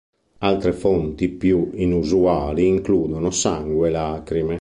Altre fonti più inusuali includono sangue e lacrime.